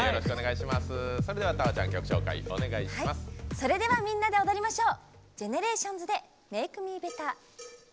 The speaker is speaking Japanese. それではみんなで踊りましょう！